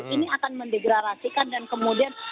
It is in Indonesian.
ini akan mendegralasikan dan kemudian